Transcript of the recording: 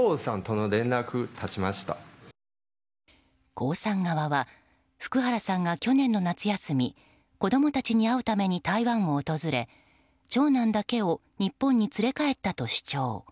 江さん側は福原さんが去年の夏休み子供たちに会うために台湾を訪れ長男だけを日本に連れ帰ったと主張。